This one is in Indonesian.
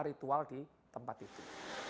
ritual di tempat itu